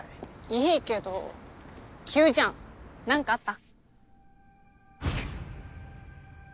いいけど急じゃん何かあった？